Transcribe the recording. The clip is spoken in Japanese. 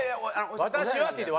「私は」って言って。